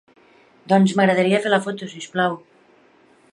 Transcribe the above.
Doncs m'agradaria fer la foto, si us plau.